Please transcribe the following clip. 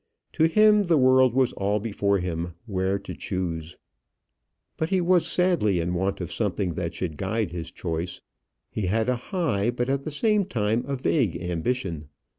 To him the world was all before him where to choose; but he was sadly in want of something that should guide his choice. He had a high, but at the same time a vague ambition.